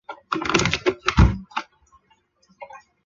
乌克兰武装部队是乌克兰的军队。